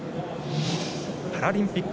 パラリンピック